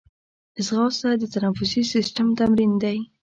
ځغاسته د تنفسي سیستم تمرین دی